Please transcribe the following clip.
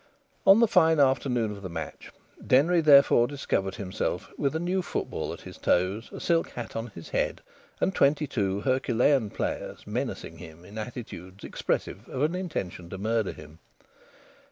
On the fine afternoon of the match Denry therefore discovered himself with a new football at his toes, a silk hat on his head, and twenty two Herculean players menacing him in attitudes expressive of an intention to murder him.